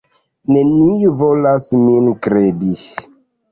Neniu volas min kredi.